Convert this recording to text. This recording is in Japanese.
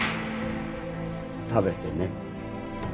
食べてね。